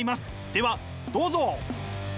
ではどうぞ！